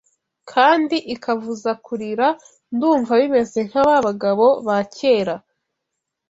kandi ikavuza Kurira ndumva bimeze nka babagabo ba kera